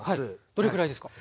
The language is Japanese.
どれくらいですか？